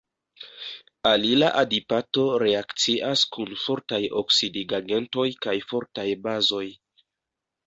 Alila adipato reakcias kun fortaj oksidigagentoj kaj fortaj bazoj.